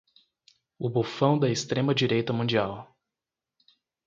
O bufão da extrema direita mundial